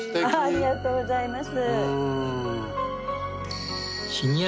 ありがとうございます。